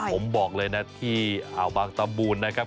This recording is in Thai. ผมบอกเลยนะที่อ่าวบางตำบูนนะครับ